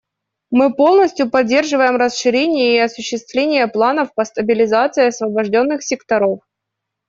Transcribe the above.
Мы полностью поддерживаем расширение и осуществление планов по стабилизации освобожденных секторов.